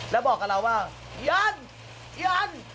แล้วบอกกับเราว่าไอ้อันไอ้อัน